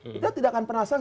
kita tidak akan pernah selesai